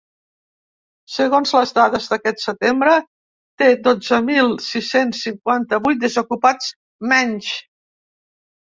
Segons les dades d’aquest setembre, té dotze mil sis-cents cinquanta-vuit desocupats menys.